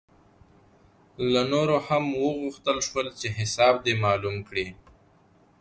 له نورو هم وغوښتل شول چې حساب دې معلوم کړي.